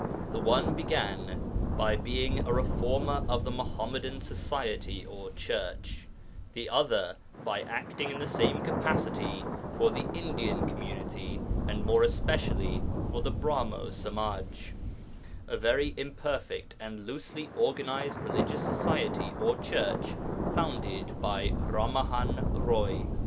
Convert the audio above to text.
The one began by being a reformer of the Muḥammadan society or church, the other by acting in the same capacity for the Indian community and more especially for the Brahmo Samaj a very imperfect and loosely organized religious society or church founded by Rammohan Roy.